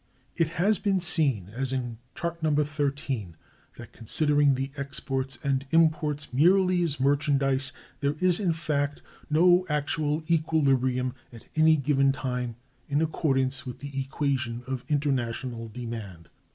It has been seen, as in Chart No. XIII, that, considering the exports and imports merely as merchandise, there is, in fact, no actual equilibrium at any given time in accordance with the equation of International Demand.